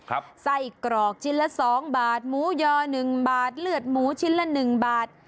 ไส้กรอกชิ้นละสองบาทหมูยอหนึ่งบาทเลือดหมูชิ้นละหนึ่งบาท